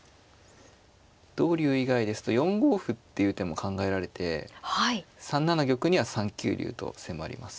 同竜以外ですと４五歩っていう手も考えられて３七玉には３九竜と迫ります。